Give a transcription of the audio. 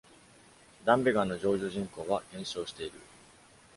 ダンベガンの常住人口は減少している。